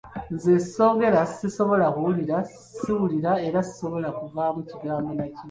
Nze soogera, sisobola kuwulira, siwulira era sisobola kuvaamu kigambo na kimu.